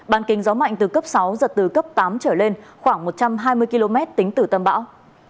bàn kinh gió mạnh từ cấp sáu giật từ cấp tám trở lên khoảng một trăm hai mươi km tính từ tâm bão